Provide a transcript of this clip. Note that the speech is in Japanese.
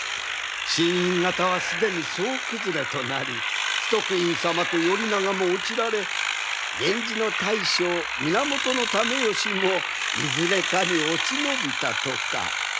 新院方は既に総崩れとなり崇徳院様と頼長も落ちられ源氏の大将源爲義もいずれかに落ち延びたとか。